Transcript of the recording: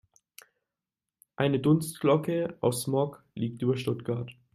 Eine Dunstglocke aus Smog liegt über Stuttgart.